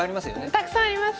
たくさんあります。